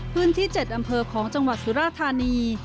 พื้นที่๗อำเภอของจังหวัดสุราธานี